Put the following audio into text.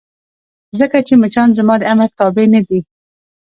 ځکه چې مچان زما د امر تابع نه دي.